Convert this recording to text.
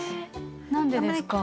何でですか？